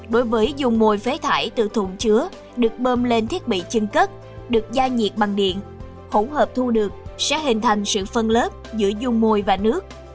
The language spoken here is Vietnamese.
đối với dung môi phế thải từ thùng chứa được bơm lên thiết bị chân cất được gia nhiệt bằng điện hỗn hợp thu được sẽ hình thành sự phân lớp giữa dung môi và nước